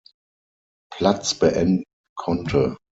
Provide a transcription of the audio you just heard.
Platz beenden konnte.